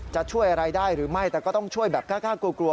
จะช่วยอะไรได้หรือไม่แต่ก็ต้องช่วยแบบกล้ากลัว